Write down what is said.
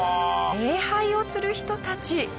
礼拝をする人たち。